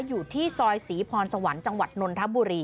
อยู่ที่ซอยศรีพรสวรรค์จังหวัดนนทบุรี